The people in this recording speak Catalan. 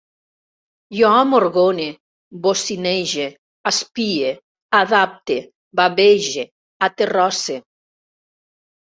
Jo amorgone, bocinege, aspie, adapte, bavege, aterrosse